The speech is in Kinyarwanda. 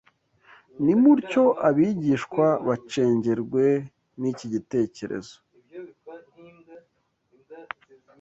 Nimutyo abigishwa bacengerwe n’iki gitekerezo